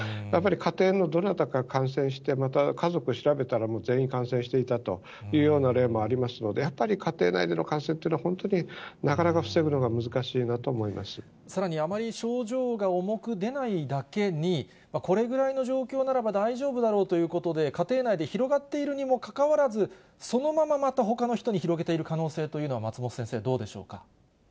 やっぱり家庭のどなたか感染して、また家族調べたら、もう全員感染していたというような例もありますので、やっぱり家庭内での感染っていうのは、本当になかなか防ぐのが難しいなさらに、あまり症状が重く出ないだけに、これぐらいの状況ならば大丈夫だろうということで、家庭内で広がっているにもかかわらず、そのまままたほかの人に広げている可能性というのは、松本先生、どうでしょうか？